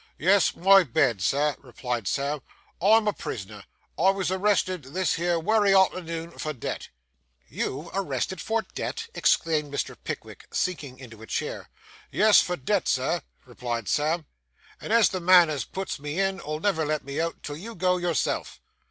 'Yes, my bed, Sir,' replied Sam, 'I'm a prisoner. I was arrested this here wery arternoon for debt.' 'You arrested for debt!' exclaimed Mr. Pickwick, sinking into a chair. 'Yes, for debt, Sir,' replied Sam. 'And the man as puts me in, 'ull never let me out till you go yourself.